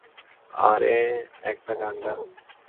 আরে একটা গান গা।